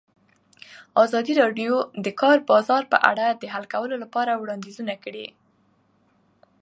ازادي راډیو د د کار بازار په اړه د حل کولو لپاره وړاندیزونه کړي.